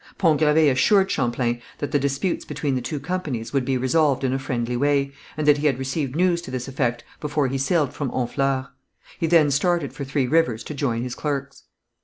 Pont Gravé assured Champlain that the disputes between the two companies would be resolved in a friendly way, and that he had received news to this effect before he sailed from Honfleur. He then started for Three Rivers to join his clerks.